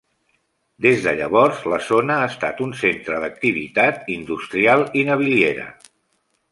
Des de llavors, la zona ha estat un centre d'activitat industrial i naviliera.